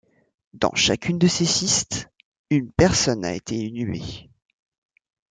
Dans chacune de ces cistes, une personne a été inhumée.